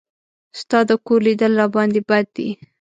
ستا د کور لیدل راباندې بد دي.